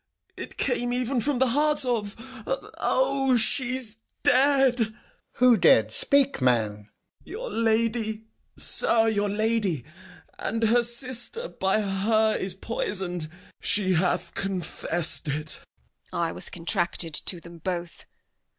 It came even from the heart of O! she's dead! Alb. Who dead? Speak, man. Gent. Your lady, sir, your lady! and her sister By her is poisoned; she hath confess'd it. Edm. I was contracted to them both.